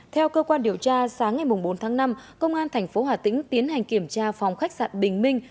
theo cơ quan điều tra sáng ngày bốn tháng năm công an thành phố hà tĩnh tiến hành kiểm tra phòng khách sạn bình minh